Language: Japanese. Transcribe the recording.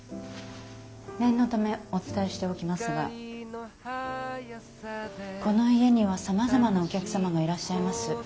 念のためお伝えしておきますがこの家にはさまざまなお客様がいらっしゃいます。